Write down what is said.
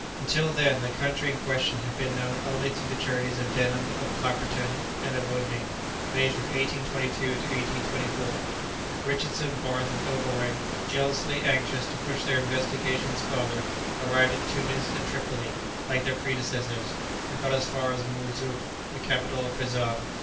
Until then, the country in question had been known only through the journeys of Denham, of Clapperton, and of Oudney, made from 1822 to 1824. Richardson, Barth, and Overweg, jealously anxious to push their investigations farther, arrived at Tunis and Tripoli, like their predecessors, and got as far as Mourzouk, the capital of Fezzan.